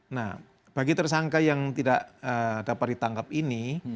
nah bagi tersangka yang tidak dapat ditangkap ini